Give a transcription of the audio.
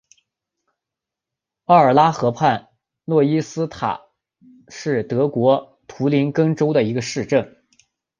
奥尔拉河畔诺伊斯塔特是德国图林根州的一个市镇。